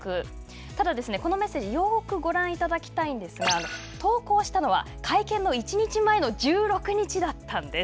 ただ、このメッセージよーくご覧いただきたいんですが、投稿したのは会見の１日前の１６日だったんです。